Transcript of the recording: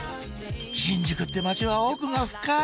新宿って街は奥が深い！